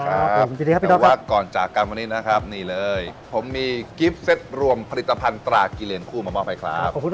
ขอบคุณครับพี่น้อนะครับก่อนจากการวันนี้นะครับนี่เลยผมมีกิฟเซตรวมผลิตภัณฑ์ตรากิเรนคู่มามากมายครับ